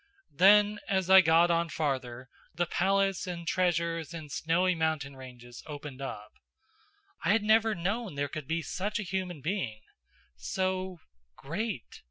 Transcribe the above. Then, as I got on farther, the palace and treasures and snowy mountain ranges opened up. I had never known there could be such a human being. So great.